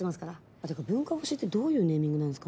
ってか文化干しってどういうネーミングなんですかね。